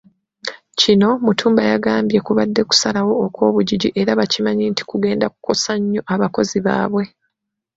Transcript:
Kino, Mutumba yagambye kubadde kusalawo okw'obujiji era bakimanyi nti kugenda kukosa nnyo abakozi baabwe.